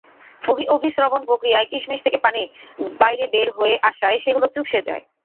বহিঃঅভিস্রবণ-প্রক্রিয়ায় কিশমিশ থেকে পানি বাইরে বের হয়ে আসায় সেগুলো চুপসে যায়।